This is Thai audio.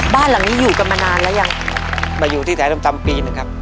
บ้านหลังนี้อยู่กันมานานแล้วยังมาอยู่ที่แถวตำปีหนึ่งครับ